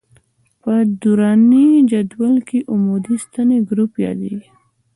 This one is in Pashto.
په دوراني جدول کې عمودي ستنې ګروپ یادیږي.